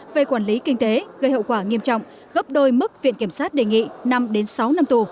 về quản lý kinh tế gây hậu quả nghiêm trọng gấp đôi mức viện kiểm sát đề nghị năm sáu năm tù